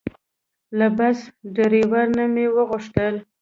له بس ډریور نه مې وغوښتل.